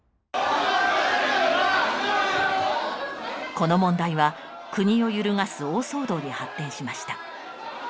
この問題は国をゆるがす大騒動に発展しました。